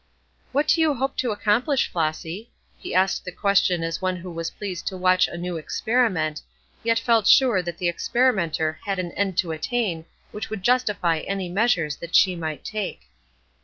"What do you hope to accomplish, Flossy?" He asked the question as one who was pleased to watch a new experiment, yet felt sure that the experimenter had an end to attain which would justify any measures that she might take.